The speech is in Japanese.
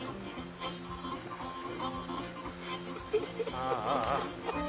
ああ。